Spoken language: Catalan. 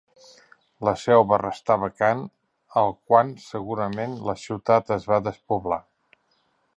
La seu va restar vacant al quan segurament la ciutat es va despoblar.